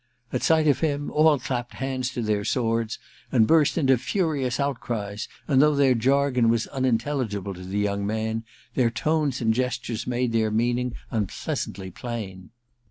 At sight of him, all clapped hands to their swords and burst into furious outcries ; and though their jargon was unintelligible to the young man, their tones and gestures made their meaning unpleasantly plain.